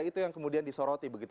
itu yang kemudian disoroti